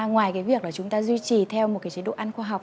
ngoài việc chúng ta duy trì theo một chế độ ăn khoa học